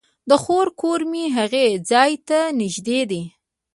د خور کور مې هغې ځای ته نژدې دی